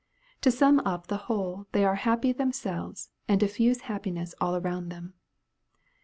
To sum up the whole they are happy themselves, and diffuse happiness all around them.